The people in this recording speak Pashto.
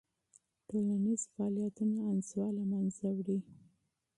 ټولنیز فعالیتونه انزوا له منځه وړي.